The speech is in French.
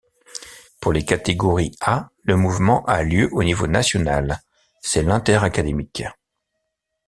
Pour les catégories A, le mouvement a lieu au niveau national, c'est l'inter-académique.